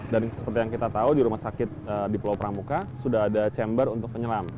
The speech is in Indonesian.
dan seperti yang kita tahu di rumah sakit di pulau pramuka sudah ada chamber untuk penyelam